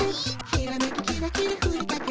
「ひらめきキラキラふりかけりゃ」